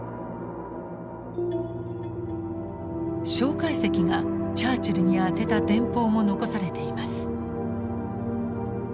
介石がチャーチルに宛てた電報も残されています。